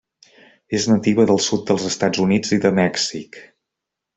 És nativa del sud dels Estats Units i de Mèxic.